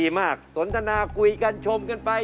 มากสนทนาคุยกันชมกันไป